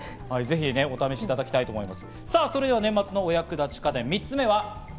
ぜひお試しいただきたいと思います。